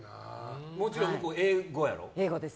もちろん向こうは英語やろ？